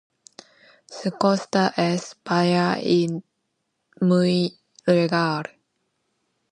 Su costa es baja y muy regular.